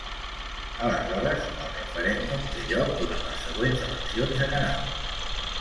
Aleshores, el referèndum té lloc durant les següents eleccions generals.